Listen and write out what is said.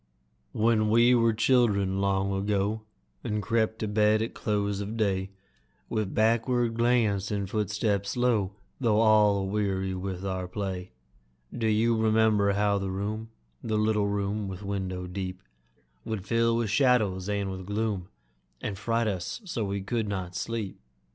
When we were children, long ago, And crept to bed at close of day, With backward glance and footstep slow, Though all aweary with our play, Do you remember how the room The little room with window deep Would fill with shadows and with gloom, And fright us so we could not sleep?